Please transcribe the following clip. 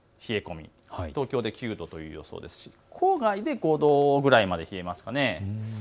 東京で９度という予想、郊外で５度くらいまで冷えますかね。